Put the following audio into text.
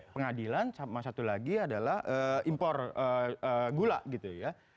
pengadilan sama satu lagi adalah impor gula gitu ya